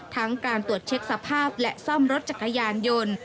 การตรวจเช็คสภาพและซ่อมรถจักรยานยนต์